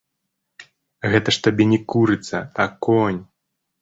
Гэта ж табе не курыца, а конь.